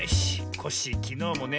コッシーきのうもね